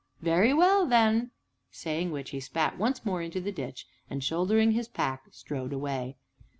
very well then!" saying which, he spat once more into the ditch, and, shouldering his pack, strode away.